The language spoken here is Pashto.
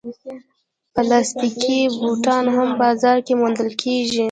پلاستيکي بوټان هم بازار کې موندل کېږي.